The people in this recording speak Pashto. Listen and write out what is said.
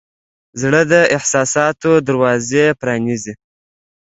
زړه د احساساتو دروازې پرانیزي.